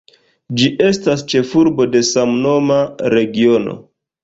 Ĝi estas ĉefurbo de samnoma regiono.